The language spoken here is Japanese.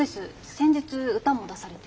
先日歌も出されて。